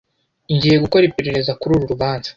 Ngiye gukora iperereza kuri uru rubanza.